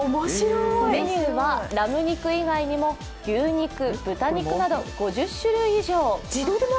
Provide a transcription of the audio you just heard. メニューはラム肉以外にも牛肉、豚肉など５０種類以上。